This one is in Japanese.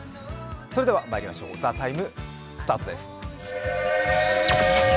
それではまいりましょう、「ＴＨＥＴＩＭＥ，」スタートです。